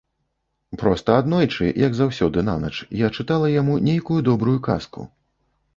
Проста аднойчы, як заўсёды нанач, я чытала яму нейкую добрую казку.